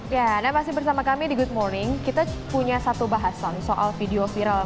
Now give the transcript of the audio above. ya anda masih bersama kami di good morning kita punya satu bahasan soal video viral